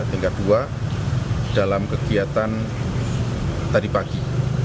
tingkat dua dalam kegiatan tadi pagi